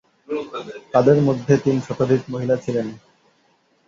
তাদের মধ্যে তিন শতাধিক মহিলা ছিলেন।